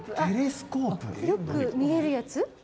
「よく見えるやつ？」